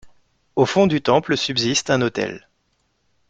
Au fond du temple subsiste un autel.